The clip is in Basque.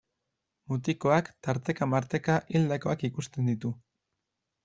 Mutikoak tarteka-marteka hildakoak ikusten ditu.